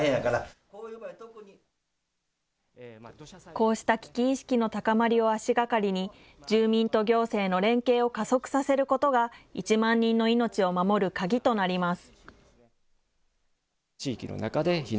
こうした危機意識の高まりを足がかりに、住民と行政の連携を加速させることが、１万人の命を守る鍵となります。